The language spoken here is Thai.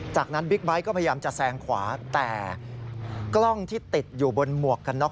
จากนั้นบิ๊กไบท์ก็พยายามจะแซงขวาแต่กล้องที่ติดอยู่บนหมวกกันน็อก